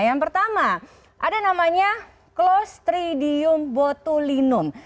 yang pertama ada namanya clostridium botulinum